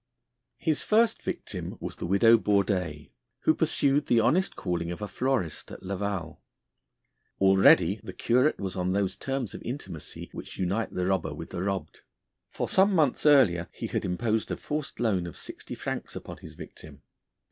His first victim was the widow Bourdais, who pursued the honest calling of a florist at Laval. Already the curate was on those terms of intimacy which unite the robber with the robbed; for some months earlier he had imposed a forced loan of sixty francs upon his victim.